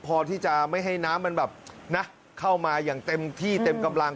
พอที่จะไม่ให้น้ำมันแบบนะเข้ามาอย่างเต็มที่เต็มกำลัง